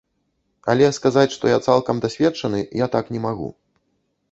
Але, сказаць, што я цалкам дасведчаны, я так не магу.